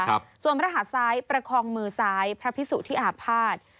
ครับส่วนพระหาดซ้ายประคองมือซ้ายพระพิสุธิอาภาษณ์